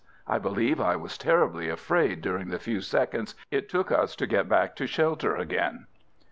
I believe I was terribly afraid during the few seconds it took us to get back to shelter again.